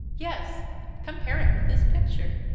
"Yes! Compare it with this picture!